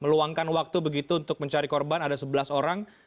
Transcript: meluangkan waktu begitu untuk mencari korban ada sebelas orang